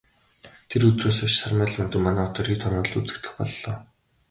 Тэр өдрөөс хойш Сармай Лхүндэв манай хотоор хэд хоноод л үзэгдэх боллоо.